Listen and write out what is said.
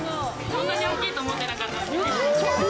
こんなに大きいと思ってなかったので。